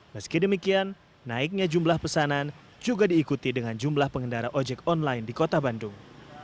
meski demikian naiknya jumlah pesanan juga diikuti dengan jumlah pengendara ojek online di kota bandung